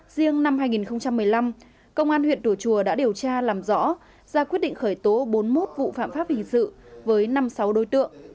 riêng năm hai nghìn một mươi năm công an huyện tùa chùa đã điều tra làm rõ ra quyết định khởi tố bốn mươi một vụ phạm pháp hình sự với năm sáu đối tượng